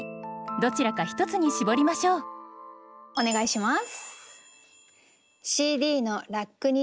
どちらか一つに絞りましょうお願いします。